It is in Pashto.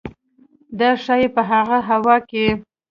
دا ښايي په هغه هوا کې